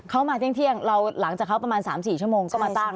เขามาเที่ยงเที่ยงเราหลังจากเขาประมาณสามสี่ชั่วโมงก็มาตั้ง